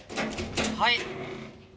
はい。